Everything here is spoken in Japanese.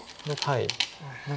はい。